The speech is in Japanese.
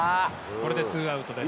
これで２アウトです。